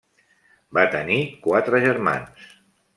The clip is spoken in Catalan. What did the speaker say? Va tenir quatre germans.